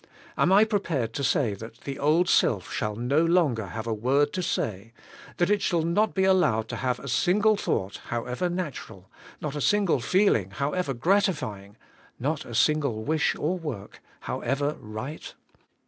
Am I prepared to say that the old self shall no longer have a word to say; that it shall not be allowed AND NOT IN SELF. 217 to have a single thought, however natural, — not a single feeling, however gratifying, — not a single wish or work, however right?